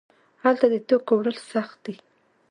هلته د توکو وړل سخت دي.